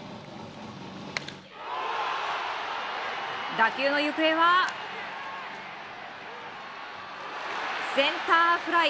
打球の行方はセンターフライ。